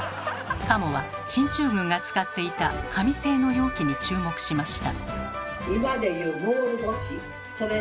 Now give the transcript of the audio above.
加茂は進駐軍が使っていた紙製の容器に注目しました。